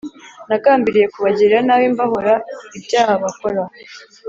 nagambiriye kubagirira nabi mbahora ibyaha bakora